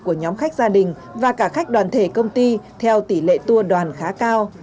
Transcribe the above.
của nhóm khách gia đình và cả khách đoàn thể công ty theo tỷ lệ tour đoàn khá cao